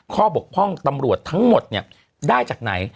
บกพร่องตำรวจทั้งหมดเนี่ยได้จากไหน